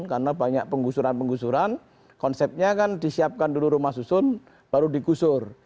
karena banyak penggusuran penggusuran konsepnya kan disiapkan dulu rumah susun baru dikusur